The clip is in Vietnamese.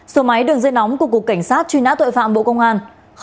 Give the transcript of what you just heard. số máy đường dây nóng của cục cảnh sát truy nã tội phạm bộ công an